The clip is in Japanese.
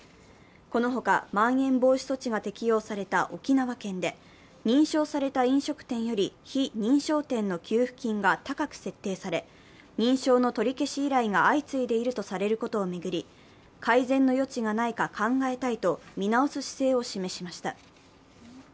このほか、まん延防止措置が適用された沖縄県で認証された飲食店より非認証店の給付金が高く設定され認証の取り消し依頼が相次いでいるとされていることを巡り、改善の余地がないか考えたいと見直す姿勢を示しました。